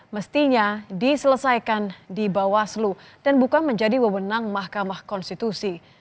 mestinya diselesaikan di bawaslu dan bukan menjadi wewenang mahkamah konstitusi